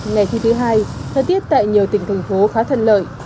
ngày thi thứ hai thời tiết tại nhiều tỉnh thành phố khá thân lợi